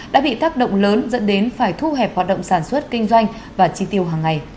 đã bị tác động lớn dẫn đến phải thu hẹp hoạt động sản xuất kinh doanh và chi tiêu hàng ngày